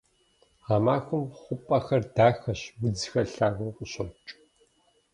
Гъэмахуэм хъупӀэхэр дахэщ, удзхэр лъагэу къыщокӀ.